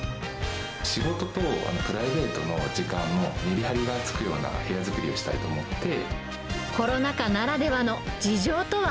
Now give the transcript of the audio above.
仕事とプライベートの時間のメリハリがつくような部屋作りをしたいと思って。